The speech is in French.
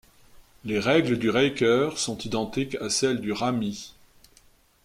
Les règles du Raker sont identiques à celles du rami.